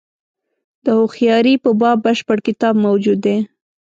د هوښیاري په باب بشپړ کتاب موجود دی.